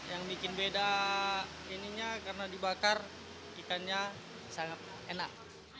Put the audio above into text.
yang bikin beda ininya karena dibakar ikannya sangat enak